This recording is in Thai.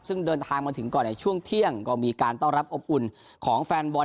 ซึ่งเดินทางมาถึงก่อนในช่วงเที่ยงก็มีการต้อนรับอบอุ่นของแฟนบอล